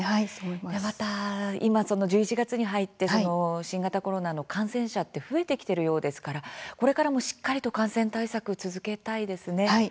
また、今１１月に入って新型コロナの感染者って増えてきているようですからこれからもしっかりと感染対策続けたいですね。